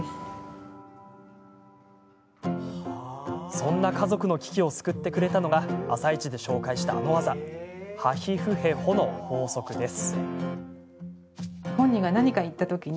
そんな家族の危機を救ってくれたのが「あさイチ」で紹介したあのワザはひふへほの法則です。